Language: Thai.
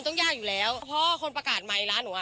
ต้องยากอยู่แล้วเพราะว่าคนประกาศไมค์ร้านหนูอ่ะ